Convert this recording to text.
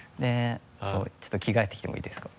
ちょっと着替えてきてもいいですか？